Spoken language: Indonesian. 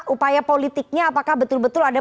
upaya politiknya apakah betul betul ada